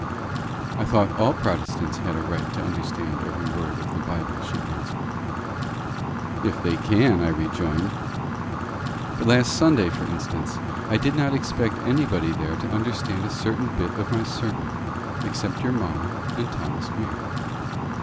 "I thought all Protestants had a right to understand every word of the Bible," she returned. "If they can," I rejoined. "But last Sunday, for instance, I did not expect anybody there to understand a certain bit of my sermon, except your mamma and Thomas Weir."